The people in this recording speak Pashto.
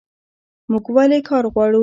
موږ ولې کار غواړو؟